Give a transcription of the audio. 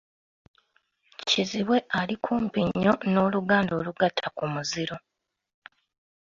Kizibwe ali kumpi nnyo n'oluganda olugatta ku muziro.